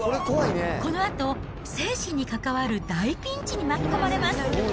このあと生死に関わる大ピンチに巻き込まれます。